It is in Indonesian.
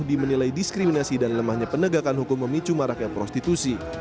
di menilai diskriminasi dan lemahnya penegakan hukum memicu marah ke prostitusi